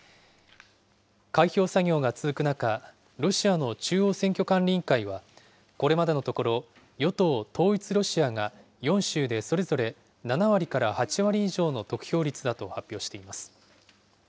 開票作業が続く中、ロシアの中央選挙管理委員会は、これまでのところ、与党・統一ロシアが４州でそれぞれ７割から８割以上の得票率だと発表しています。